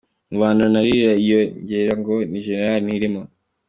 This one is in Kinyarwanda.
Mu bantu naririra iyo ngegera ngo ni generali ntirimo.